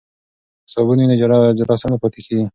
که صابون وي نو جراثیم نه پاتیږي.